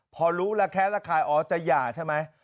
พอรู้แล้วแค้นแล้วขายอ๋อจะหย่าใช่ไหม